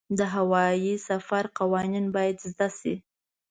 د هوايي سفر قوانین باید زده شي.